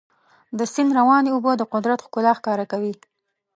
د سیند روانې اوبه د قدرت ښکلا ښکاره کوي.